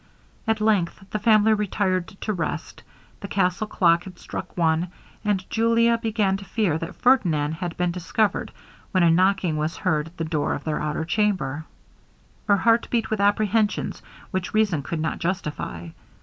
At length the family retired to rest. The castle clock had struck one, and Julia began to fear that Ferdinand had been discovered, when a knocking was heard at the door of the outer chamber. Her heart beat with apprehensions, which reason could not justify.